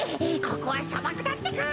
ここはさばくだってか。